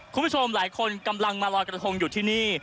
คุณผู้ชมหลายคนกำลังมาลอยกระทงอยู่ที่นี่